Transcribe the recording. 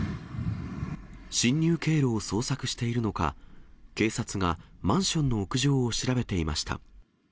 侵入経路を捜索しているのか、警察がマンションの屋上を調べていました。